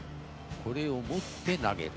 これを持って投げる。